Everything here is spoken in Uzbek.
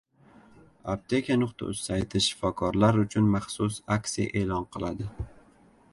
Apteka.uz sayti shifokorlar uchun maxsus aksiya e’lon qiladi